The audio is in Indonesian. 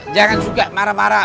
jangan suka marah marah